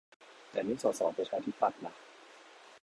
แต่นี่สสประชาธิปัตย์นะ